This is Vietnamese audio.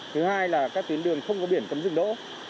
thứ hai là các tuyến đường không có biển cấm dừng đỗ